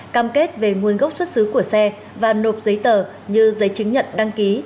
cam kết về nguồn gốc xuất xứ của xe và nộp giấy tờ như giấy chứng nhận đăng ký